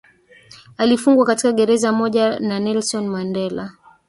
alifungwa katika gereza moja na nelson mandela